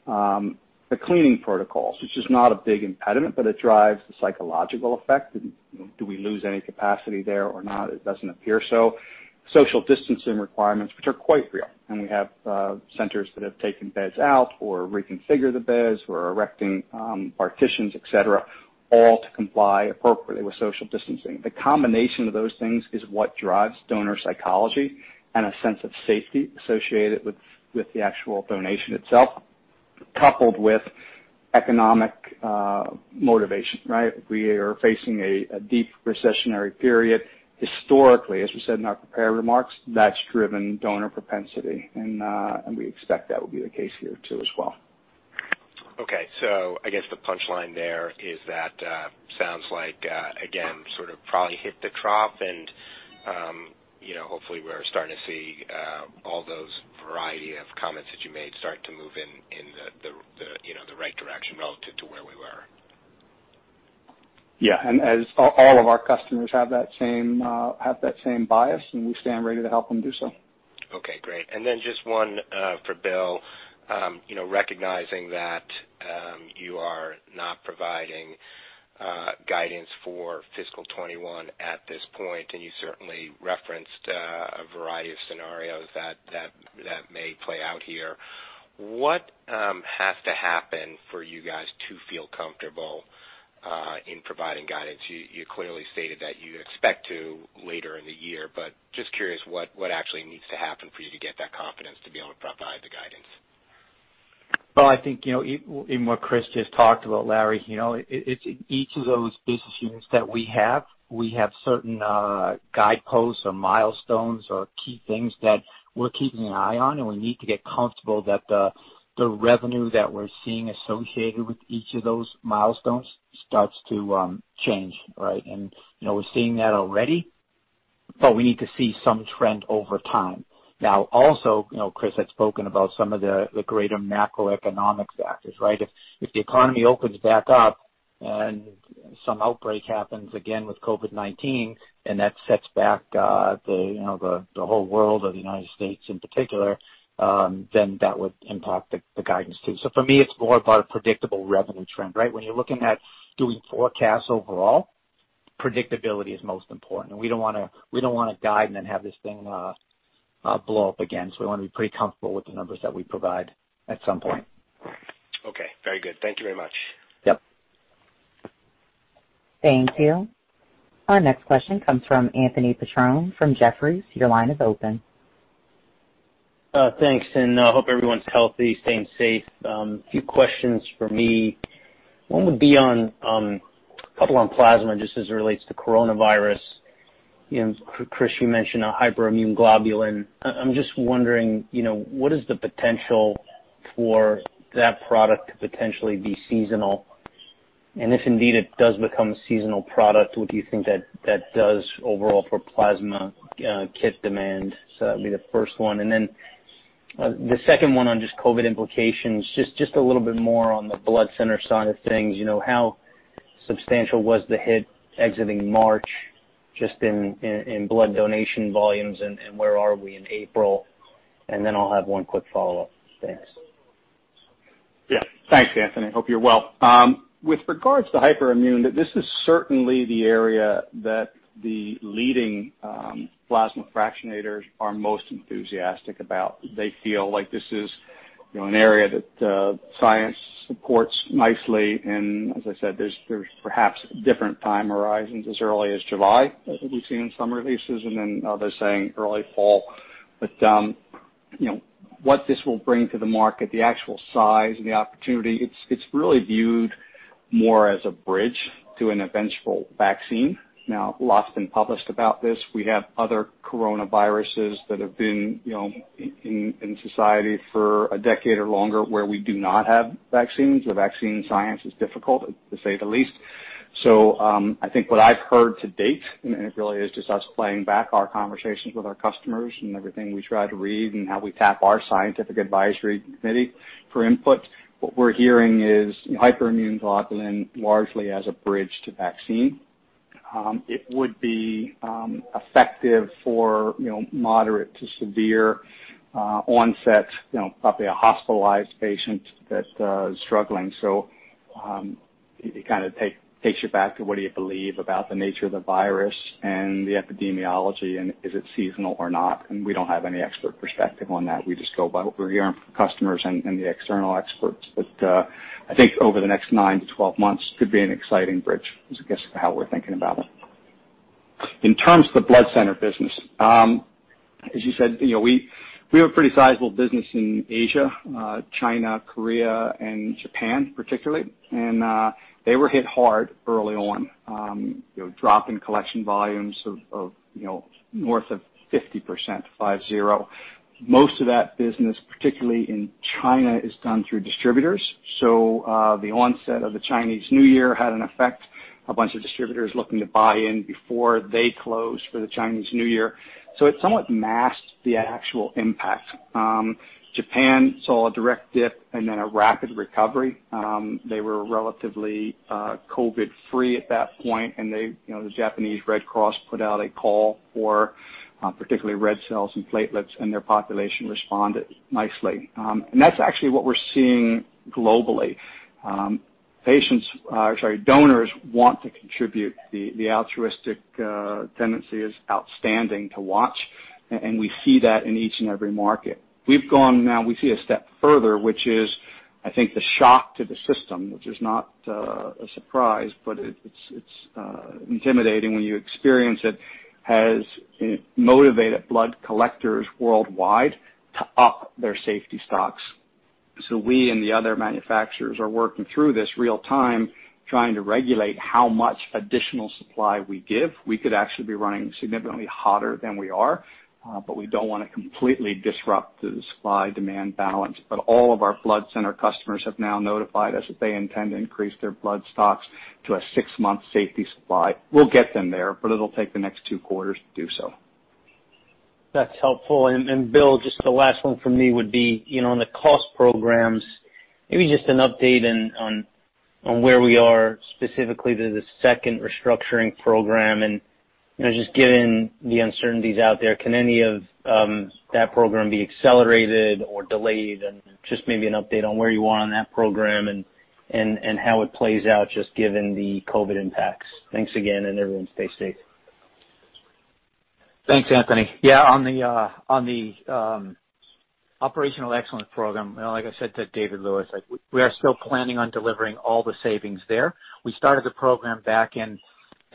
Speaker 3: The cleaning protocols, which is not a big impediment, but it drives the psychological effect. Do we lose any capacity there or not? It doesn't appear so. Social distancing requirements, which are quite real, and we have centers that have taken beds out or reconfigured the beds or are erecting partitions, et cetera, all to comply appropriately with social distancing. The combination of those things is what drives donor psychology and a sense of safety associated with the actual donation itself, coupled with economic motivation, right? We are facing a deep recessionary period. Historically, as we said in our prepared remarks, that's driven donor propensity, and we expect that will be the case here too as well.
Speaker 6: Okay. I guess the punchline there is that sounds like, again, sort of probably hit the trough and hopefully we're starting to see all those variety of comments that you made start to move in the right direction relative to where we were.
Speaker 3: Yeah. As all of our customers have that same bias, and we stand ready to help them do so.
Speaker 6: Okay, great. Just one for Bill. Recognizing that you are not providing guidance for fiscal 2021 at this point, you certainly referenced a variety of scenarios that may play out here, what has to happen for you guys to feel comfortable in providing guidance? You clearly stated that you expect to later in the year, just curious what actually needs to happen for you to get that confidence to be able to provide the guidance.
Speaker 4: Well, I think in what Chris just talked about, Larry, it's each of those business units that we have, we have certain guideposts or milestones or key things that we're keeping an eye on, and we need to get comfortable that the revenue that we're seeing associated with each of those milestones starts to change, right? We're seeing that already, but we need to see some trend over time. Also, Chris had spoken about some of the greater macroeconomic factors, right? If the economy opens back up and some outbreak happens again with COVID-19 and that sets back the whole world or the United States in particular, then that would impact the guidance too. For me, it's more about a predictable revenue trend, right? When you're looking at doing forecasts overall, predictability is most important, and we don't want to guide and then have this thing blow up again. We want to be pretty comfortable with the numbers that we provide at some point.
Speaker 6: Okay. Very good. Thank you very much.
Speaker 4: Yep.
Speaker 1: Thank you. Our next question comes from Anthony Petrone from Jefferies. Your line is open.
Speaker 7: Thanks. I hope everyone's healthy, staying safe. A few questions from me. One would be on plasma, just as it relates to coronavirus. Chris, you mentioned a hyperimmune globulin. I'm just wondering, what is the potential for that product to potentially be seasonal? If indeed it does become a seasonal product, what do you think that does overall for plasma kit demand? That would be the first one. The second one on just COVID implications, just a little bit more on the blood center side of things. How substantial was the hit exiting March, just in blood donation volumes, and where are we in April? I'll have one quick follow-up. Thanks.
Speaker 3: Yeah. Thanks, Anthony. Hope you're well. With regards to hyperimmune, this is certainly the area that the leading plasma fractionators are most enthusiastic about. They feel like this is an area that science supports nicely. As I said, there's perhaps different time horizons as early as July that we've seen in some releases, and then others saying early fall. What this will bring to the market, the actual size and the opportunity, it's really viewed more as a bridge to an eventual vaccine. Lots been published about this. We have other coronaviruses that have been in society for a decade or longer where we do not have vaccines. The vaccine science is difficult, to say the least. I think what I've heard to date, and it really is just us playing back our conversations with our customers and everything we try to read and how we tap our scientific advisory committee for input. What we're hearing is hyperimmune globulin largely as a bridge to vaccine. It would be effective for moderate to severe onset, probably a hospitalized patient that is struggling. It takes you back to what do you believe about the nature of the virus and the epidemiology, and is it seasonal or not? We don't have any expert perspective on that. We just go by what we hear from customers and the external experts. I think over the next nine to 12 months could be an exciting bridge, is I guess how we're thinking about it. In terms of the blood center business, as you said, we have a pretty sizable business in Asia, China, Korea, and Japan particularly. They were hit hard early on. Drop in collection volumes of north of 50%, five, zero. Most of that business, particularly in China, is done through distributors. The onset of the Chinese New Year had an effect. A bunch of distributors looking to buy in before they closed for the Chinese New Year. It somewhat masked the actual impact. Japan saw a direct dip and then a rapid recovery. They were relatively COVID free at that point, and the Japanese Red Cross put out a call for particularly red cells and platelets, and their population responded nicely. That's actually what we're seeing globally. Donors want to contribute. The altruistic tendency is outstanding to watch, and we see that in each and every market. We've gone now, we see a step further, which is, I think, the shock to the system, which is not a surprise, but it's intimidating when you experience it, has motivated blood collectors worldwide to up their safety stocks. We and the other manufacturers are working through this real time trying to regulate how much additional supply we give. We could actually be running significantly hotter than we are, but we don't want to completely disrupt the supply-demand balance. All of our blood center customers have now notified us that they intend to increase their blood stocks to a six-month safety supply. We'll get them there, but it'll take the next two quarters to do so.
Speaker 7: That's helpful. Bill, just the last one from me would be, on the cost programs, maybe just an update on where we are specifically to the second restructuring program, and just given the uncertainties out there, can any of that program be accelerated or delayed? Just maybe an update on where you are on that program and how it plays out just given the COVID impacts. Thanks again, and everyone stay safe.
Speaker 4: Thanks, Anthony. On the Operational Excellence Program, like I said to David Lewis, we are still planning on delivering all the savings there. We started the program back in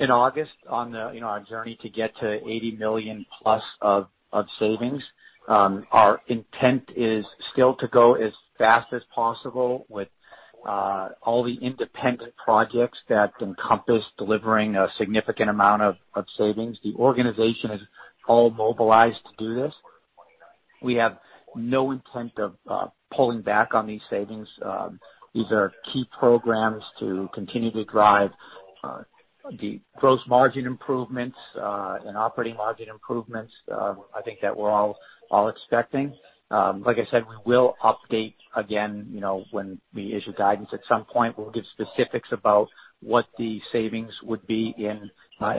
Speaker 4: August on our journey to get to $80 million+ of savings. Our intent is still to go as fast as possible with all the independent projects that encompass delivering a significant amount of savings. The organization is all mobilized to do this. We have no intent of pulling back on these savings. These are key programs to continue to drive the gross margin improvements and operating margin improvements I think that we're all expecting. Like I said, we will update again when we issue guidance. At some point, we'll give specifics about what the savings would be in FY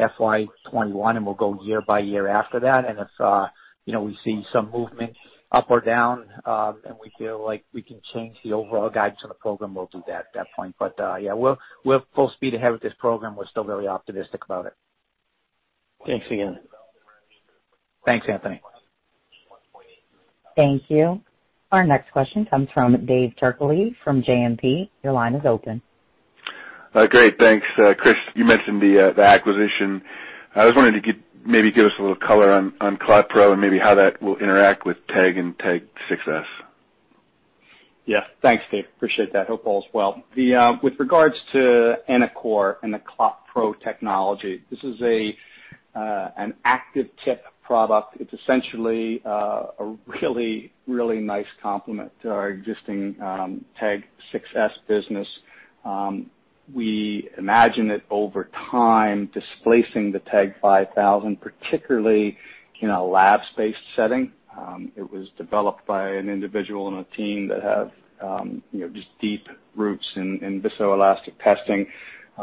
Speaker 4: 2021, and we'll go year by year after that. If we see some movement up or down, and we feel like we can change the overall guidance on the program, we'll do that at that point. Yeah, we're full speed ahead with this program. We're still very optimistic about it.
Speaker 7: Thanks again.
Speaker 4: Thanks, Anthony.
Speaker 1: Thank you. Our next question comes from Dave Turkaly from JMP. Your line is open.
Speaker 8: Great. Thanks. Chris, you mentioned the acquisition. I was wondering if you could maybe give us a little color on ClotPro and maybe how that will interact with TEG and TEG 6s.
Speaker 3: Yeah. Thanks, Dave. Appreciate that. Hope all is well. With regards to enicor and the ClotPro technology, this is an Active Tip product. It's essentially a really nice complement to our existing TEG 6s business. We imagine it over time displacing the TEG 5000, particularly in a lab space setting. It was developed by an individual and a team that have just deep roots in viscoelastic testing.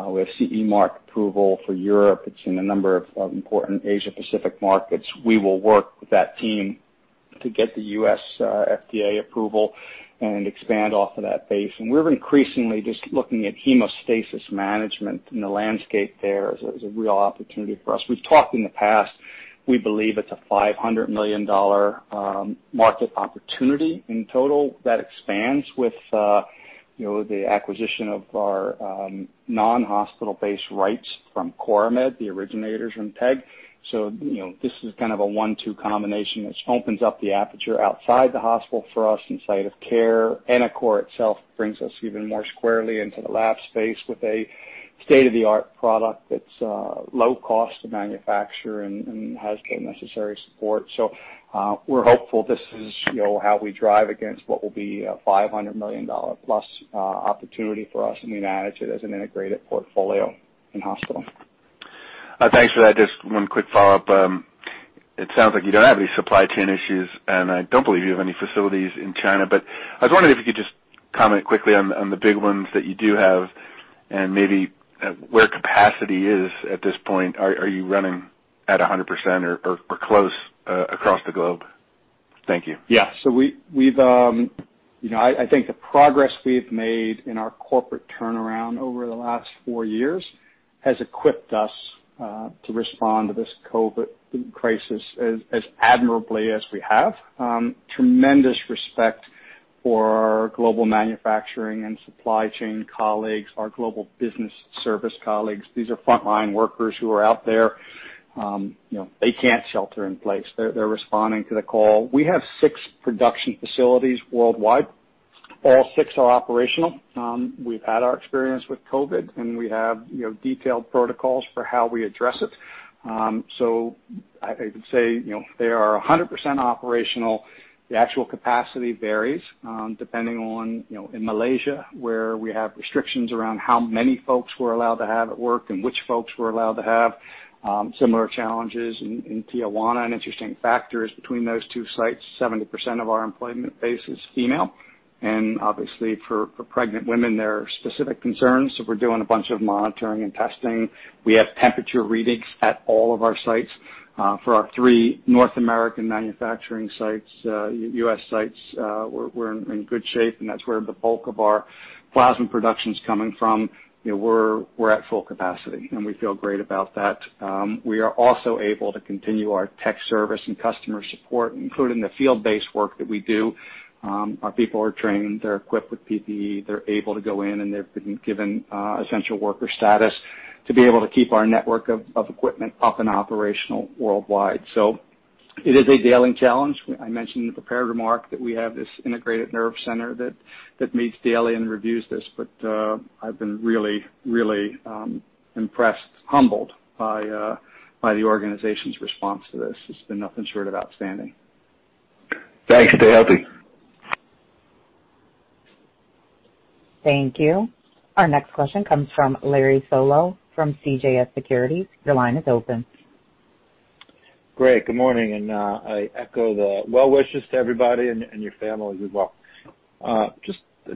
Speaker 3: We have CE mark approval for Europe. It's in a number of important Asia Pacific markets. We will work with that team to get the U.S. FDA approval and expand off of that base. We're increasingly just looking at hemostasis management and the landscape there as a real opportunity for us. We've talked in the past, we believe it's a $500 million market opportunity in total that expands with the acquisition of our non-hospital-based rights from Coramed, the originators from TEG. This is kind of a one-two combination which opens up the aperture outside the hospital for us in site of care. enicor itself brings us even more squarely into the lab space with a state-of-the-art product that's low cost to manufacture and has the necessary support. We're hopeful this is how we drive against what will be a $500 million+ opportunity for us and we manage it as an integrated portfolio in hospital.
Speaker 8: Thanks for that. Just one quick follow-up. It sounds like you don't have any supply chain issues, and I don't believe you have any facilities in China. I was wondering if you could just comment quickly on the big ones that you do have and maybe where capacity is at this point. Are you running at 100% or close across the globe? Thank you.
Speaker 3: I think the progress we've made in our corporate turnaround over the last four years has equipped us to respond to this COVID crisis as admirably as we have. Tremendous respect for our global manufacturing and supply chain colleagues, our global business service colleagues. These are frontline workers who are out there. They can't shelter in place. They're responding to the call. We have six production facilities worldwide. All six are operational. We've had our experience with COVID, and we have detailed protocols for how we address it. I would say, they are 100% operational. The actual capacity varies, depending on in Malaysia, where we have restrictions around how many folks we're allowed to have at work and which folks we're allowed to have. Similar challenges in Tijuana and interesting factors between those two sites. 70% of our employment base is female, and obviously for pregnant women, there are specific concerns, so we're doing a bunch of monitoring and testing. We have temperature readings at all of our sites. For our three North American manufacturing sites, U.S. sites, we're in good shape, and that's where the bulk of our plasma production's coming from. We're at full capacity, and we feel great about that. We are also able to continue our tech service and customer support, including the field-based work that we do. Our people are trained, they're equipped with PPE, they're able to go in, and they've been given essential worker status to be able to keep our network of equipment up and operational worldwide. It is a daily challenge. I mentioned in the prepared remark that we have this integrated nerve center that meets daily and reviews this, but I've been really impressed, humbled by the organization's response to this. It's been nothing short of outstanding.
Speaker 8: Thanks. Stay healthy.
Speaker 1: Thank you. Our next question comes from Larry Solow from CJS Securities. Your line is open.
Speaker 9: Great, good morning. I echo the well wishes to everybody and your families as well.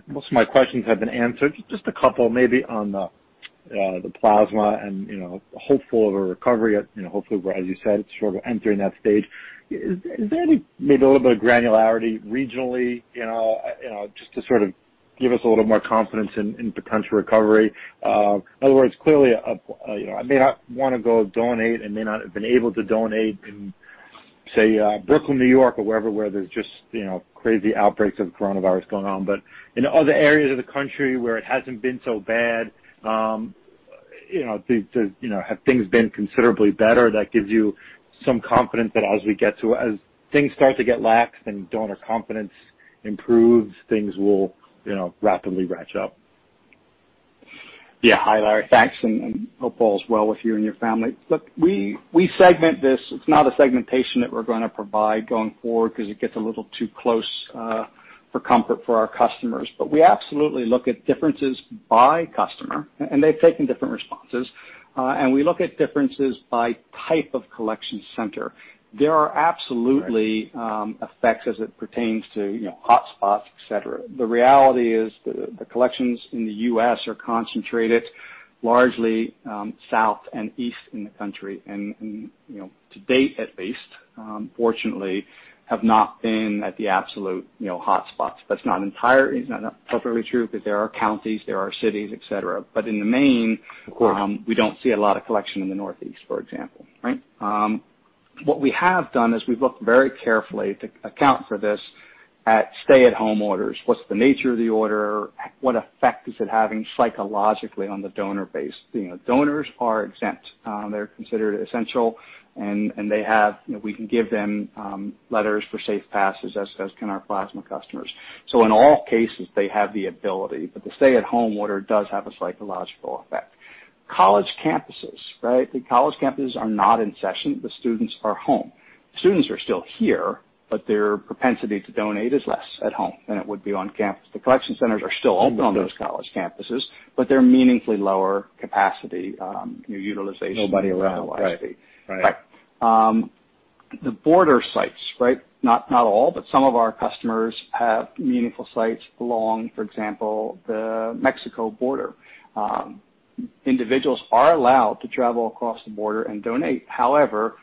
Speaker 9: Most of my questions have been answered. Just a couple maybe on the plasma and hopeful of a recovery, hopefully, as you said, sort of entering that stage. Is there maybe a little bit of granularity regionally, just to sort of give us a little more confidence in potential recovery? In other words, clearly, I may not want to go donate and may not have been able to donate in, say, Brooklyn, N.Y. or wherever, where there's just crazy outbreaks of COVID-19 going on. In other areas of the country where it hasn't been so bad, have things been considerably better that gives you some confidence that as things start to get relaxed and donor confidence improves, things will rapidly ratchet up?
Speaker 3: Hi, Larry. Thanks, and hope all is well with you and your family. We segment this. It's not a segmentation that we're going to provide going forward because it gets a little too close for comfort for our customers. We absolutely look at differences by customer, and they've taken different responses. We look at differences by type of collection center. There are absolutely effects as it pertains to hot spots, et cetera. The reality is the collections in the U.S. are concentrated largely south and east in the country, and to date at least, fortunately, have not been at the absolute hot spots. That's not entirely true because there are counties, there are cities, et cetera. In the main.
Speaker 9: Of course.
Speaker 3: We don't see a lot of collection in the Northeast, for example, right? What we have done is we've looked very carefully to account for this at stay-at-home orders. What's the nature of the order? What effect is it having psychologically on the donor base? Donors are exempt. They're considered essential, we can give them letters for safe passes, as can our plasma customers. In all cases, they have the ability, but the stay-at-home order does have a psychological effect. College campuses, right? The college campuses are not in session. The students are home. Students are still here, but their propensity to donate is less at home than it would be on campus. The collection centers are still open on those college campuses, but they're meaningfully lower capacity, utilization.
Speaker 9: Nobody around. Right.
Speaker 3: The border sites, right? Not all, but some of our customers have meaningful sites along, for example, the Mexico border. Individuals are allowed to travel across the border and donate. However,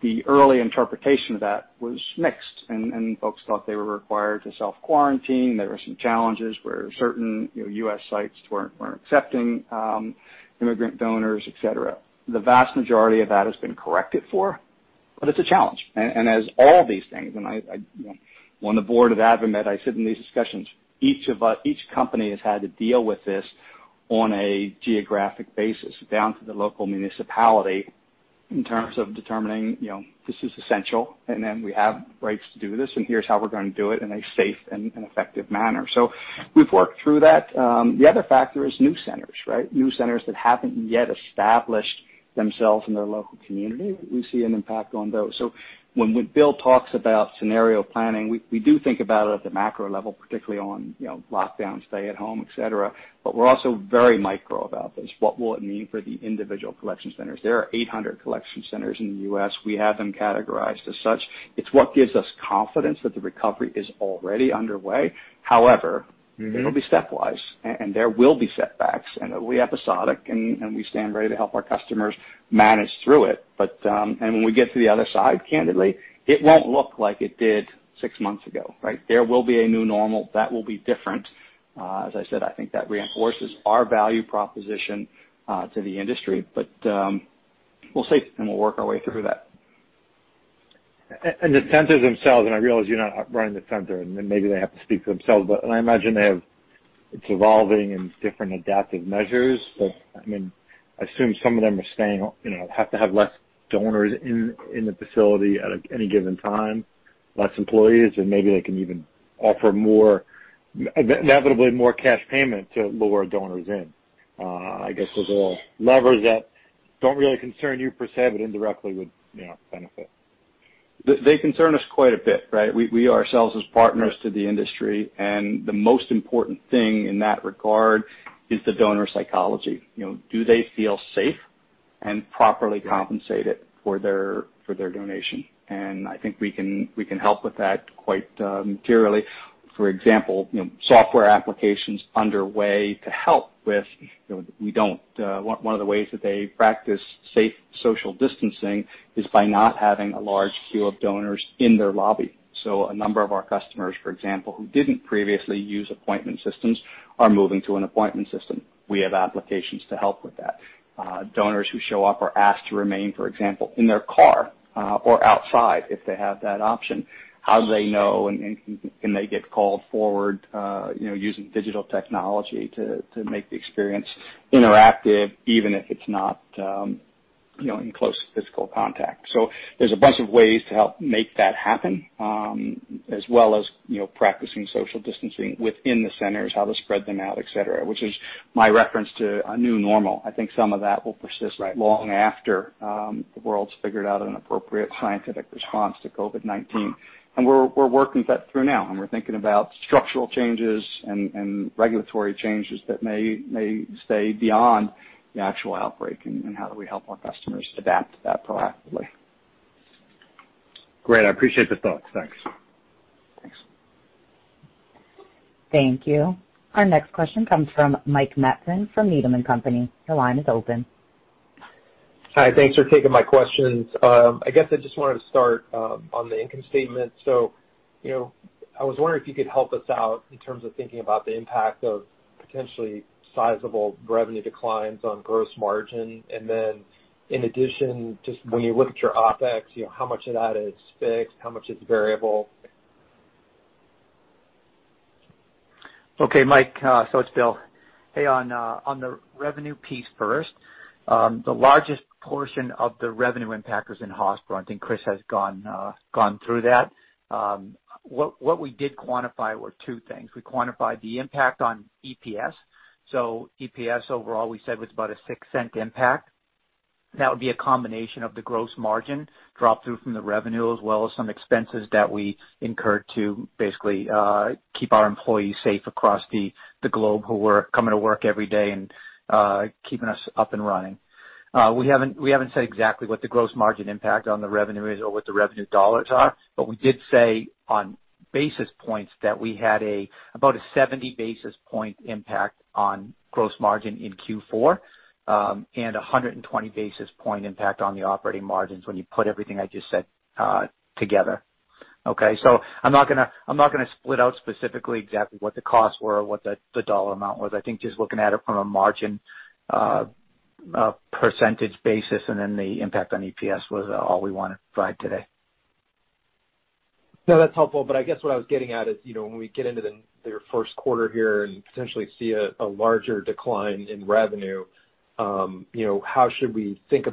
Speaker 3: the early interpretation of that was mixed, and folks thought they were required to self-quarantine. There were some challenges where certain U.S. sites weren't accepting immigrant donors, et cetera. The vast majority of that has been corrected for, but it's a challenge. As all these things, and on the Board of AdvaMed, I sit in these discussions. Each company has had to deal with this on a geographic basis, down to the local municipality in terms of determining this is essential, and then we have rights to do this, and here's how we're going to do it in a safe and effective manner. We've worked through that. The other factor is new centers, right? New centers that haven't yet established themselves in their local community. We see an impact on those. When Bill talks about scenario planning, we do think about it at the macro level, particularly on lockdown, stay at home, et cetera. We're also very micro about this. What will it mean for the individual collection centers? There are 800 collection centers in the U.S. We have them categorized as such. It's what gives us confidence that the recovery is already underway. It'll be stepwise, there will be setbacks, it'll be episodic, and we stand ready to help our customers manage through it. When we get to the other side, candidly, it won't look like it did six months ago, right? There will be a new normal that will be different. As I said, I think that reinforces our value proposition to the industry. We'll see, and we'll work our way through that.
Speaker 9: The centers themselves, and I realize you're not running the center, and maybe they have to speak for themselves, but I imagine it's evolving and different adaptive measures. I assume some of them have to have less donors in the facility at any given time, less employees, and maybe they can even offer inevitably more cash payment to lure donors in. Those are all levers that don't really concern you per se, but indirectly would benefit.
Speaker 3: They concern us quite a bit, right? We ourselves as partners to the industry, and the most important thing in that regard is the donor psychology. Do they feel safe and properly compensated for their donation? I think we can help with that quite materially. For example, software applications underway. One of the ways that they practice safe social distancing is by not having a large queue of donors in their lobby. A number of our customers, for example, who didn't previously use appointment systems, are moving to an appointment system. We have applications to help with that. Donors who show up are asked to remain, for example, in their car or outside if they have that option. How do they know, and can they get called forward using digital technology to make the experience interactive, even if it's not in close physical contact. There's a bunch of ways to help make that happen. As well as practicing social distancing within the centers, how to spread them out, et cetera, which is my reference to a new normal. I think some of that will persist right long after the world's figured out an appropriate scientific response to COVID-19. We're working that through now, and we're thinking about structural changes and regulatory changes that may stay beyond the actual outbreak, and how do we help our customers adapt to that proactively.
Speaker 9: Great. I appreciate the thoughts. Thanks.
Speaker 3: Thanks.
Speaker 1: Thank you. Our next question comes from Mike Matson from Needham & Company. Your line is open.
Speaker 10: Hi. Thanks for taking my questions. I guess I just wanted to start on the income statement. I was wondering if you could help us out in terms of thinking about the impact of potentially sizable revenue declines on gross margin. In addition, just when you look at your OpEx, how much of that is fixed, how much is variable?
Speaker 4: Okay, Mike, so it's Bill. Hey, on the revenue piece first, the largest portion of the revenue impact was in hospital. I think Chris has gone through that. What we did quantify were two things. We quantified the impact on EPS. EPS overall, we said, was about a $0.06 impact. That would be a combination of the gross margin drop-through from the revenue as well as some expenses that we incurred to basically keep our employees safe across the globe who were coming to work every day and keeping us up and running. We haven't said exactly what the gross margin impact on the revenue is or what the revenue dollars are, but we did say on basis points that we had about a 70 basis point impact on gross margin in Q4 and 120 basis point impact on the operating margins when you put everything I just said together. I'm not going to split out specifically exactly what the costs were or what the dollar amount was. I think just looking at it from a margin percentage basis and then the impact on EPS was all we want to provide today.
Speaker 10: No, that's helpful. I guess what I was getting at is, when we get into their first quarter here and potentially see a larger decline in revenue, how should we think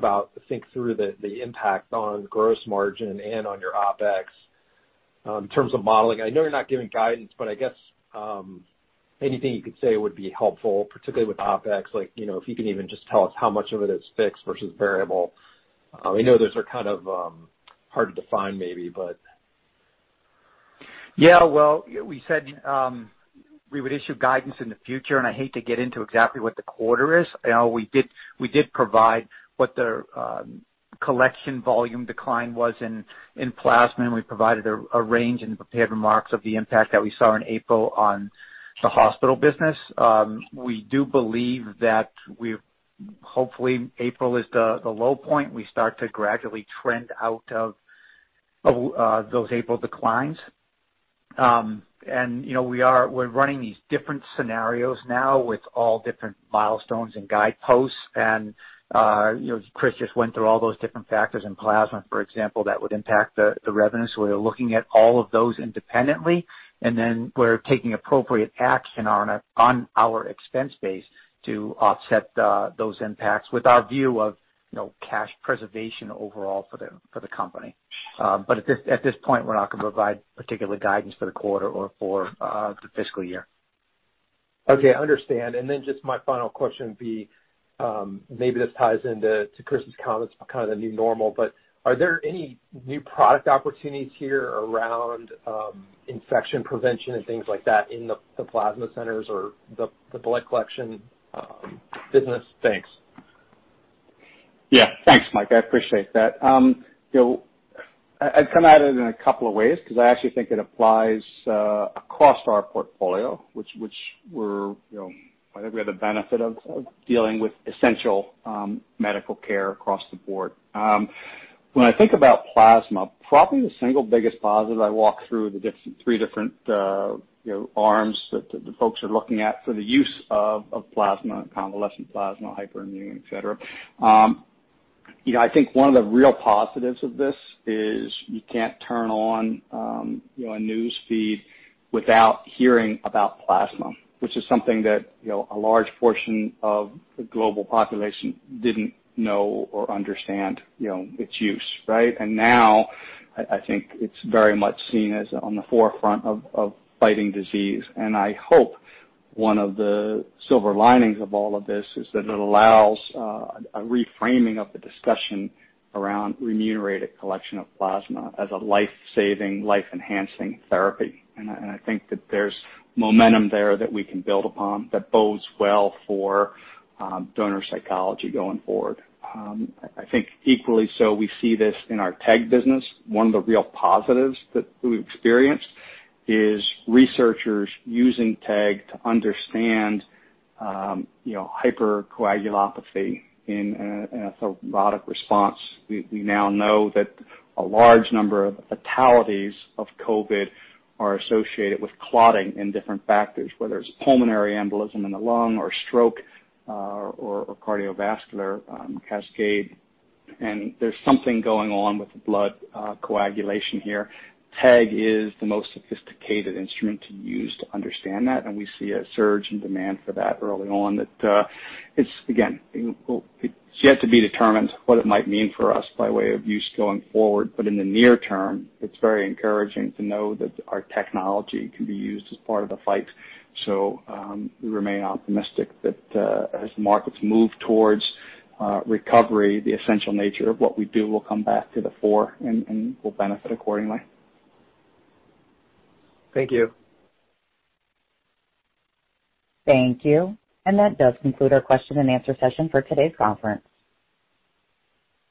Speaker 10: through the impact on gross margin and on your OpEx in terms of modeling? I know you're not giving guidance, but I guess anything you could say would be helpful, particularly with OpEx, if you can even just tell us how much of it is fixed versus variable. I know those are hard to define maybe.
Speaker 4: We said we would issue guidance in the future, and I hate to get into exactly what the quarter is. We did provide what their collection volume decline was in plasma, and we provided a range in the prepared remarks of the impact that we saw in April on the hospital business. We do believe that hopefully April is the low point. We start to gradually trend out of those April declines. We're running these different scenarios now with all different milestones and guideposts. Chris just went through all those different factors in plasma, for example, that would impact the revenue. We're looking at all of those independently, and then we're taking appropriate action on our expense base to offset those impacts with our view of cash preservation overall for the company. At this point, we're not going to provide particular guidance for the quarter or for the fiscal year.
Speaker 10: Okay, I understand. Just my final question would be, maybe this ties into Chris' comments about kind of the new normal, are there any new product opportunities here around infection prevention and things like that in the plasma centers or the Blood Collection business? Thanks.
Speaker 3: Yeah. Thanks, Mike. I appreciate that. I'd come at it in a couple of ways because I actually think it applies across our portfolio. I think we have the benefit of dealing with essential medical care across the board. When I think about plasma, probably the single biggest positive I walk through the three different arms that the folks are looking at for the use of plasma, convalescent plasma, hyperimmune, et cetera. I think one of the real positives of this is you can't turn on a news feed without hearing about plasma, which is something that a large portion of the global population didn't know or understand its use, right? Now, I think it's very much seen as on the forefront of fighting disease. I hope one of the silver linings of all of this is that it allows a reframing of the discussion around remunerated collection of plasma as a life-saving, life-enhancing therapy. I think that there's momentum there that we can build upon that bodes well for donor psychology going forward. I think equally so, we see this in our TEG business. One of the real positives that we've experienced is researchers using TEG to understand hypercoagulopathy in a thrombotic response. We now know that a large number of fatalities of COVID are associated with clotting in different factors, whether it's pulmonary embolism in the lung or stroke or cardiovascular cascade. There's something going on with the blood coagulation here. TEG is the most sophisticated instrument to use to understand that. We see a surge in demand for that early on that it's, again, it's yet to be determined what it might mean for us by way of use going forward. In the near term, it's very encouraging to know that our technology can be used as part of the fight. We remain optimistic that as markets move towards recovery, the essential nature of what we do will come back to the fore and will benefit accordingly.
Speaker 10: Thank you.
Speaker 1: Thank you. That does conclude our question and answer session for today's conference.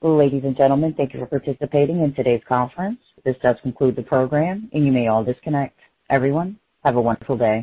Speaker 1: Ladies and gentlemen, thank you for participating in today's conference. This does conclude the program, and you may all disconnect. Everyone, have a wonderful day.